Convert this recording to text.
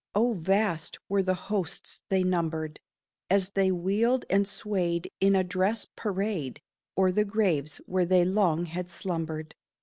Oh! vast were the hosts they numbered, As they wheeled and swayed in a dress parade O'er the graves where they long had slumbered.